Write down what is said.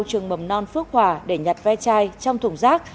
trường mầm non phước hòa để nhặt ve chai trong thùng rác